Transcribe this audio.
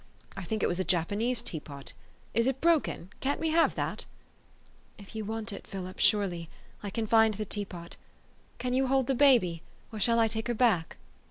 I think it was a Japanese teapot. Is it broken ? Can't we have that ?''" If you want it, Philip, surely. I can find the teapot. Can you hold the baby ? or shall I take her back?"